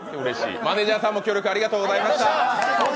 マネージャーさんも協力ありがとうございます。